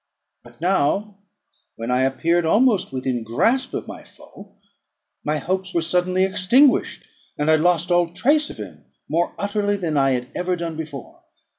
But now, when I appeared almost within grasp of my foe, my hopes were suddenly extinguished, and I lost all trace of him more utterly than I had ever done before.